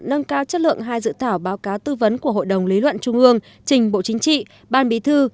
nâng cao chất lượng hai dự thảo báo cáo tư vấn của hội đồng lý luận trung ương trình bộ chính trị ban bí thư